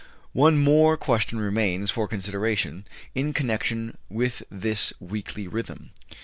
One more question remains for consideration in connection with this weekly rhythm.